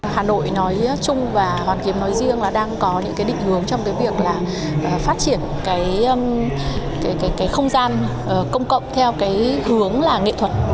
hà nội nói chung và hoàn kiếm nói riêng là đang có những cái định hướng trong cái việc là phát triển cái không gian công cộng theo cái hướng là nghệ thuật